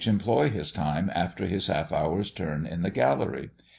employ his time after his half hour's turn in the gallery?